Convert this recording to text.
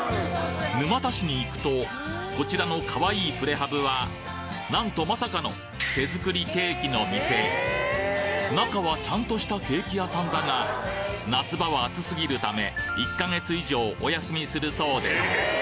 沼田市に行くとこちらの可愛いプレハブはなんとまさかの手作りケーキの店中はちゃんとしたケーキ屋さんだが夏場は暑すぎるため１か月以上お休みするそうです